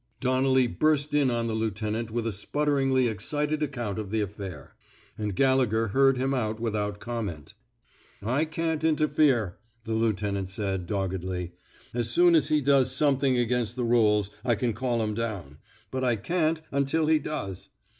Donnelly burst in on the lieutenant with a sputteringly excited account of the affair; 129 THE SMOKE EATERS and Gallegher heard him out without com ment. I can't interfere,*' the lieutenant said, doggedly. As soon as he does some thing against rules, I can call him down. But I can't, until he does.